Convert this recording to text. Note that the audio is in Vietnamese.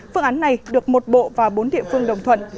phương án này được một bộ và bốn địa phương đồng thuận